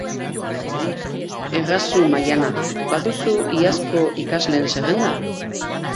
Errazu, Maiana, baduzu iazko ikasleen zerrenda?